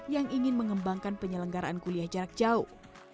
yang ingin mengembangkan penyelenggaraan kuliah jarak jauh